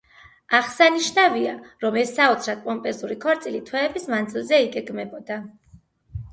აღსანიშნავია, რომ ეს საოცრად პომპეზური ქორწილი თვეების მანძილზე იგეგმებოდა.